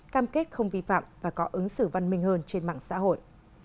cam kết không vi phạm và có ứng xử văn minh hơn trên mạng xã hội